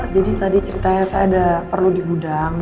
jadi tadi ceritanya saya udah perlu di gudang